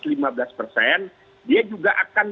dia juga akan diikut sertakan